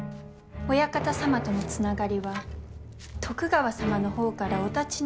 お屋形様とのつながりは徳川様の方からお断ちになった。